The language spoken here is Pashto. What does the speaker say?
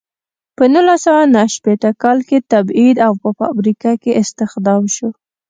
په نولس سوه نهه شپیته کال کې تبعید او په فابریکه کې استخدام شو.